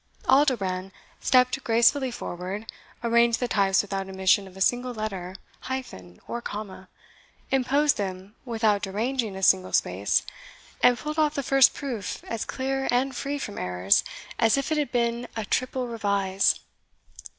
Aldobrand stepped gracefully forward, arranged the types without omission of a single letter, hyphen, or comma, imposed them without deranging a single space, and pulled off the first proof as clear and free from errors, as if it had been a triple revise!